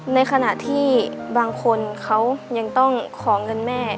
ในขณะที่บางคนเขายังต้องขอเงินแม่